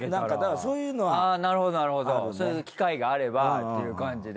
そういう機会があればっていう感じで。